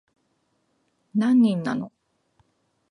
何人なの